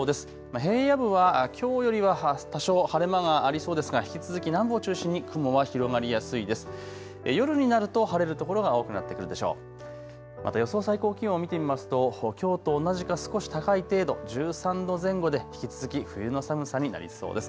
平野部はきょうよりは多少晴れ間がありそうですから引き続き南部を中心に雲は広がりやすいです。